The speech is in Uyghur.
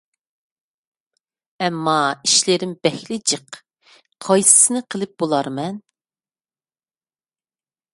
ئەمما ئىشلىرىم بەكلا جىق. قايسىسىنى قىلىپ بولارمەن؟